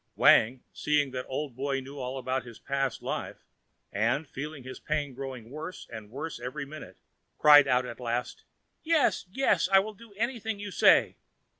Wang, seeing that Old Boy knew all about his past life, and, feeling his pain growing worse and worse every minute, cried out at last: "Yes! Yes! I will do anything you say.